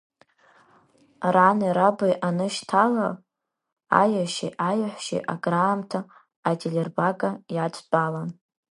Рани раби анышьҭала, аиашьеи аиаҳәшьеи акраамҭа ателербага иадтәалан.